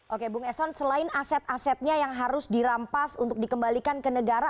oke bung eson selain aset asetnya yang harus dirampas untuk dikembalikan ke negara